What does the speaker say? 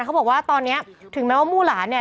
เขาบอกว่าตอนนี้ถึงแม้ว่ามู่หลานเนี่ย